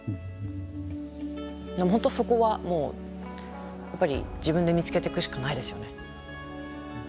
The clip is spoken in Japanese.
本当そこはもうやっぱり自分で見つけていくしかないですよね。